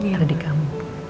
ada di kamu